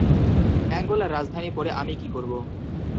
অ্যাঙ্গোলার রাজধানীর পড়ে আমি কী করবো?